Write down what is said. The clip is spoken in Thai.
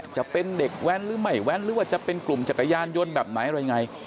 จะเป็นเด็กแว้นหรือไม่แว้นหรือว่าจะเป็นกลุ่มจักรยานยนต์แบบไหนอะไรยังไง